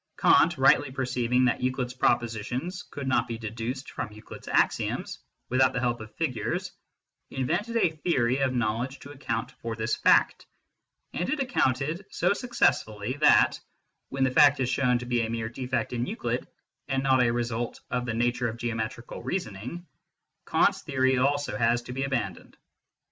Kant, rightly perceiving that Euclid s propositions could not be deduced from Euclid s axioms without the help of the figures, invented a theory of knowledge to account for this fact ; and it accounted so successfully that, when the fact is shown to be a mere defect in Euclid, and not a result of the nature of geo metrical reasoning, Kant s theory also has to be aban doned.